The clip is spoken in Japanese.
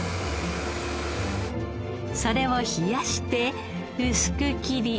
それを冷やして薄く切り。